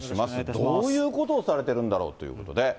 どういうことをされているんだろうということで。